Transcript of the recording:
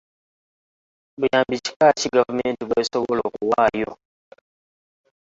Buyambi kika ki, gavumenti bw'esobola okuwaayo?